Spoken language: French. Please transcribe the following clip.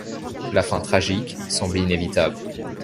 La fin tragique semble inévitable.